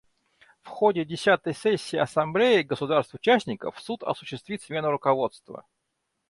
В ходе десятой сессии Ассамблеи государств-участников Суд осуществит смену руководства.